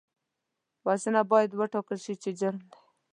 وژنه باید وټاکل شي چې جرم دی